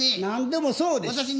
何でもそうです。